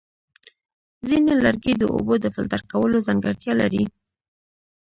ځینې لرګي د اوبو د فلټر کولو ځانګړتیا لري.